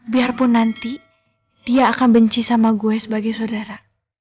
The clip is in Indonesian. biarpun nanti dia akan benci sama gue sebagai saudara